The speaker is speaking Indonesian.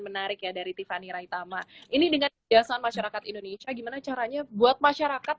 menarik ya dari tiffany raitama ini dengan kebiasaan masyarakat indonesia gimana caranya buat masyarakat